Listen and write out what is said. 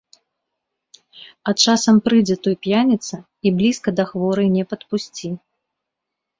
А часам прыйдзе той п'яніца, і блізка да хворай не падпусці.